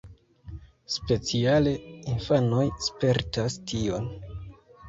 Speciale infanoj spertas tion.